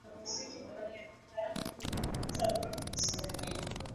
kwenye muziki barani afrika naitwa nurdin selumani